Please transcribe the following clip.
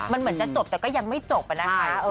มันเหมือนจะจบแต่ก็ยังไม่จบอะนะคะ